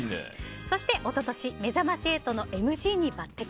そして一昨年、「めざまし８」のＭＣに抜擢。